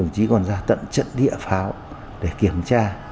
chỉ còn ra tận trận địa pháo để kiểm tra